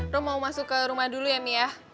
roh mau masuk ke rumah dulu ya mi ya